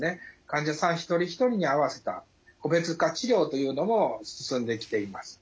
患者さん一人一人に合わせた個別化治療というのも進んできています。